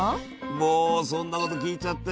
もうそんなこと聞いちゃって。